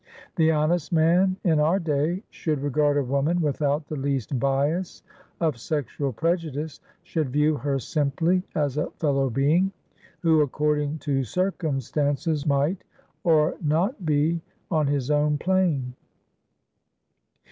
The honest man, in our day, should regard a woman without the least bias of sexual prejudice; should view her simply as a fellow being, who, according to circumstances, might or not be on his own plane.